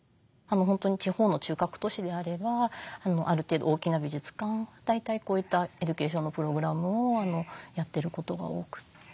地方の中核都市であればある程度大きな美術館は大体こういったエデュケーションのプログラムをやってることが多くて。